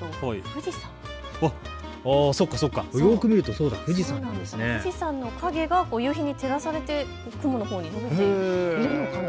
富士山の影が夕日に照らされて雲のほうに伸びているのかな。